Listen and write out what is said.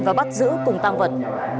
và bắt giữ cùng tăng vật